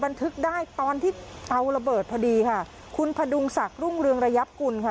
บันทึกได้ตอนที่เอาระเบิดพอดีค่ะคุณพดุงศักดิ์รุ่งเรืองระยับกุลค่ะ